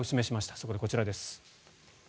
そこでこちらです。